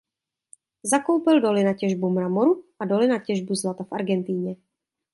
Zakoupil doly na těžbu mramoru a doly na těžbu zlata v Argentině.